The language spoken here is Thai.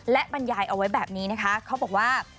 และบรรยายเอาไว้แบบนี้นะคะเขาบอกว่า